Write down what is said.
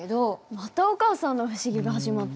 またお母さんの不思議が始まった。